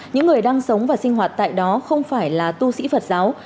những người đang sống và sinh hoạt tại đó không phải là tu sĩ phật giáo